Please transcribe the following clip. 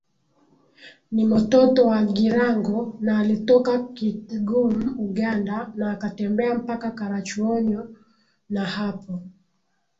ni mototo wa Girango na alitoka KitgumUganda na akatembea mpaka Karachuonyo Na hapo